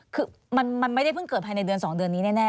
คือมันไม่ได้เพิ่งเกิดภายในเดือน๒เดือนนี้แน่